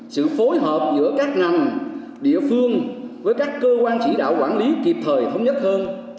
sự phối hợp giữa các ngành địa phương với các cơ quan chỉ đạo quản lý kịp thời thống nhất hơn